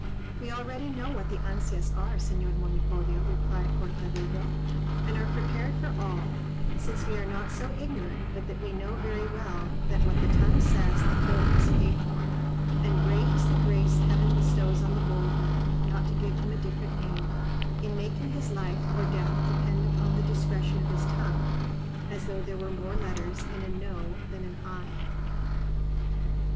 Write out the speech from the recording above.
'" "We already know what the ansias are, Señor Monipodio," replied Cortadillo, "and are prepared for all; since we are not so ignorant but that we know very well, that what the tongue says, the throat must pay for; and great is the grace heaven bestows on the bold man (not to give him a different name), in making his life or death depend upon the discretion of his tongue, as though there were more letters in a No than an Aye."